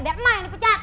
biar emak yang dipecat